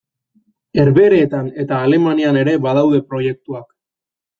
Herbehereetan eta Alemanian ere badaude proiektuak.